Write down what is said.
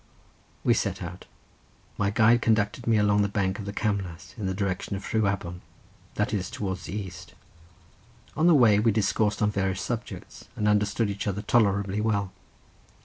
We set out; my guide conducted me along the bank of the Camlas in the direction of Rhiwabon, that is towards the east. On the way we discoursed on various subjects, and understood each other tolerably well.